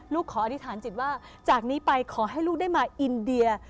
ขออธิษฐานจิตว่าจากนี้ไปขอให้ลูกได้มาอินเดีย